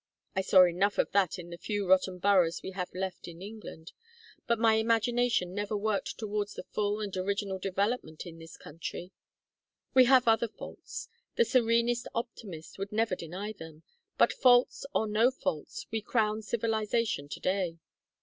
I saw enough of that in the few rotten boroughs we have left in England, but my imagination never worked towards the full and original development in this country. We have other faults; the serenest optimist would never deny them; but, faults or no faults, we crown civilization to day.